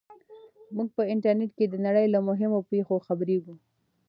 موږ په انټرنیټ کې د نړۍ له مهمو پېښو خبریږو.